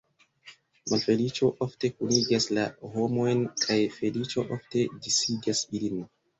Malfeliĉo ofte kunigas la homojn, kaj feliĉo ofte disigas ilin.